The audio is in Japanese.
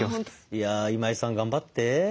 いや今井さん頑張って。